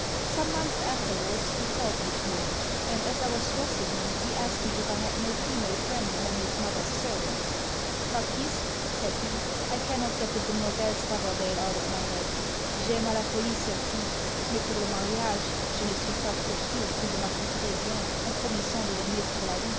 Some months afterwards he called me to him; and as I was dressing him he asked me if I had no female friend among his mother's servants. 'Baptiste,' said he, 'I cannot get the Demoiselle Stavordale out of my head. _J'aime a la folie cette fille mais pour le mariage, je ne suis pas trop sur, que je m'acquitterai bien, en promissant de l'aimer pour la vie.